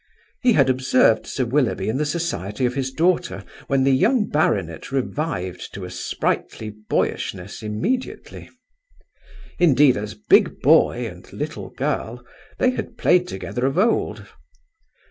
He had observed Sir Willoughby in the society of his daughter, when the young baronet revived to a sprightly boyishness immediately. Indeed, as big boy and little girl, they had played together of old.